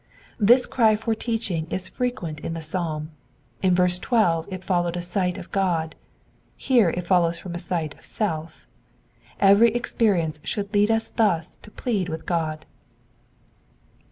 This cry for teaching is frequent in the Psalm ; in verse 12 it followed a sight of God, here it follows from a sight of self. Every experience should lead us thus to plead with God.